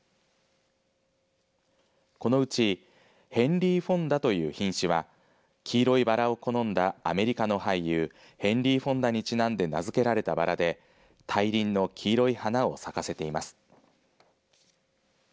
このうちヘンリー・フォンダという品種は黄色いばらを好んだアメリカの俳優ヘンリー・フォンダにちなんで名付けられたばらで大輪の黄色い花を咲かせています。